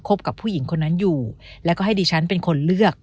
กับผู้หญิงคนนั้นอยู่แล้วก็ให้ดิฉันเป็นคนเลือก